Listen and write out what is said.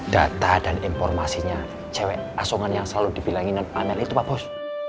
data dan informasinya cewek asongan yang selalu dibilangin dan amal itu pak bos